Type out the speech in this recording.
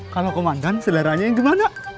kalau komandan seleranya yang gimana